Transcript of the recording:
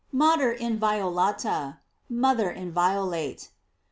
''Mater inviolata:" Mother inviolate.